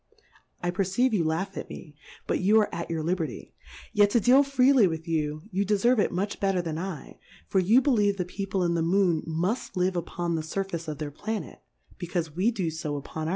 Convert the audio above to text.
I perceive you laugh at me, but you are at your Liberty ; yet to deal freely with you, you deferve it much better than I; for you believe the People in the Moon muft live upon the Surface of their Plauct, becaufe we do fo upon * ours.